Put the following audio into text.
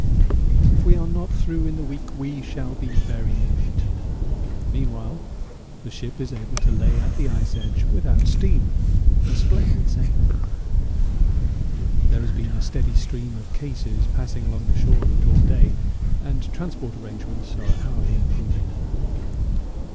If we are not through in the week we shall be very near it. Meanwhile the ship is able to lay at the ice edge without steam; a splendid saving. There has been a steady stream of cases passing along the shore route all day and transport arrangements are hourly improving.